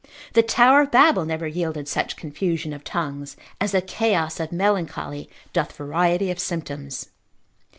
The tower of Babel never yielded such confusion of tongues, as the chaos of melancholy doth variety of symptoms.